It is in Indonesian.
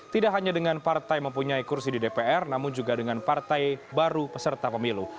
tidak hanya dengan partai mempunyai kursi di dpr namun juga dengan partai baru peserta pemilu